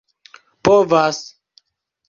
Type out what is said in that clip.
povas